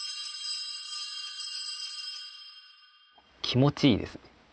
「気持ちいい」ですね。